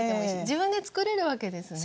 自分でつくれるわけですね。